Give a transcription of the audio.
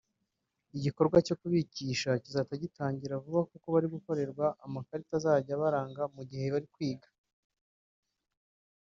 Igikorwa cyo kubigisha kizahita gitangira vuba kuko bari gukorerwa amakarita azajya abaranga mu gihe bari kwiga